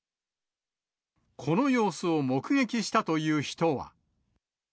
この様子を目撃したという人は。